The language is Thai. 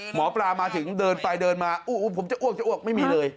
หมอปลามาถึงเดินไปเดินมาอู้ผมจะอ้วกจะอ้วกไม่มีเลย